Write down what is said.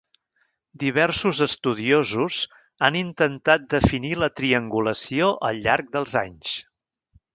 Diversos estudiosos han intentat definir la triangulació al llarg dels anys.